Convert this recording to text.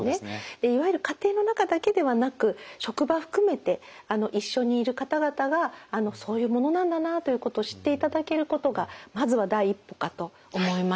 いわゆる家庭の中だけではなく職場含めて一緒にいる方々がそういうものなんだなということを知っていただけることがまずは第一歩かと思います。